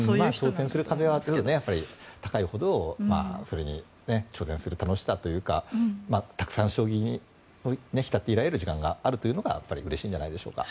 挑戦する壁は高いほどそれに挑戦する楽しさというかたくさん将棋に浸っていられる時間があるというのがやっぱりうれしいんじゃないでしょうか。